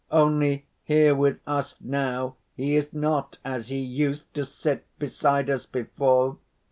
Only, here with us now he is not as he used to sit beside us before.